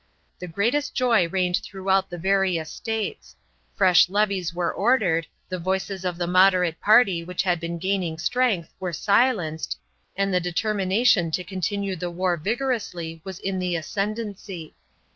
The greatest joy reigned throughout the various States; fresh levies were ordered; the voices of the moderate party, which had been gaining strength, were silenced, and the determination to continue the war vigorously was in the ascendency.